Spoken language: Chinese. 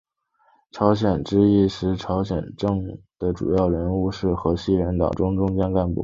朝鲜之役时朝鲜朝政的主要人物和西人党的中坚干部。